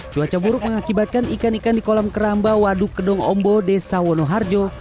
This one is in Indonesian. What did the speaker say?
cuaca buruk mengakibatkan ikan ikan di kolam keramba waduk kedong ombo desa wonoharjo